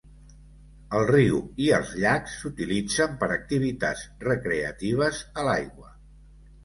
El riu i els llacs s"utilitzen per activitats recreatives a l"aigua.